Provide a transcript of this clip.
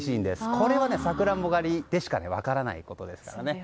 これはサクランボ狩りでしか分からないことですからね。